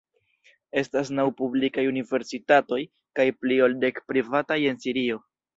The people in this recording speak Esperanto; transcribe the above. Estas naŭ publikaj universitatoj kaj pli ol dek privataj en Sirio.